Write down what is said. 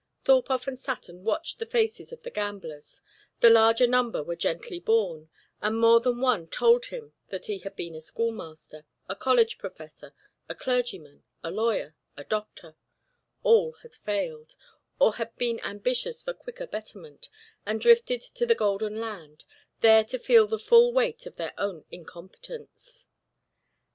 Thorpe often sat and watched the faces of the gamblers: the larger number were gently born, and more than one told him that he had been a schoolmaster, a college professor, a clergyman, a lawyer, a doctor all had failed, or had been ambitious for quicker betterment, and drifted to the golden land, there to feel the full weight of their own incompetence.